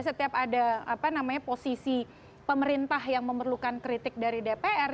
setiap ada posisi pemerintah yang memerlukan kritik dari dpr